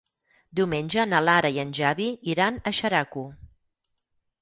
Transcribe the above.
Diumenge na Lara i en Xavi iran a Xeraco.